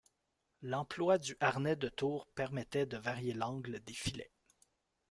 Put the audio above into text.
L’emploi du harnais de tour permettait de varier l'angle des filets.